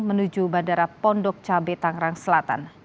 menuju bandara pondok cabe tangerang selatan